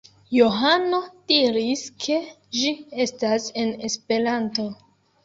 Johano diris, ke ĝi estas en Esperanto.